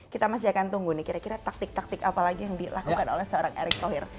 kita masih akan tunggu nih kira kira taktik taktik apa lagi yang dilakukan oleh seorang erick thohir